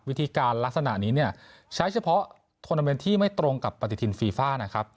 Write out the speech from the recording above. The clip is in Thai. วิธีการลักษณะนี้เนี่ยใช้เฉพาะทวนาเมนต์ที่ไม่ตรงกับปฏิทินฟีฟ่านะครับ